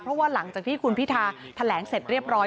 เพราะว่าหลังจากที่คุณพิธาแถลงเสร็จเรียบร้อย